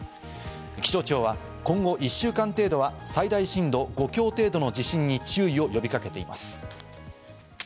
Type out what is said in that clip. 気象庁は今後１週間程度は最大震度５強程度の地震に注意を呼びかけています。